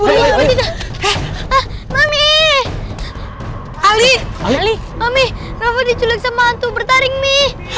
mami ali ali mami raffa diculik sama hantu bertaring mi